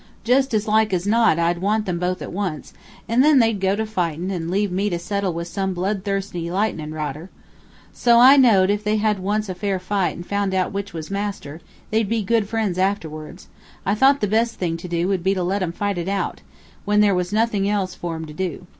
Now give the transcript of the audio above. Just as like as not I'd want them both at once, and then they'd go to fightin', and leave me to settle with some blood thirsty lightnin' rodder. So, as I know'd if they once had a fair fight and found out which was master, they'd be good friends afterwards, I thought the best thing to do would be to let 'em fight it out, when there was nothin' else for 'em to do.